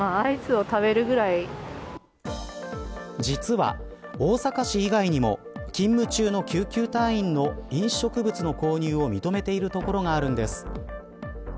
実は大阪市以外にも勤務中の救急隊員の飲食物の購入を認めているところがあるんです。